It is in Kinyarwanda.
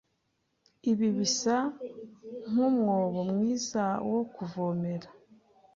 Ibi bisa nkumwobo mwiza wo kuvomera.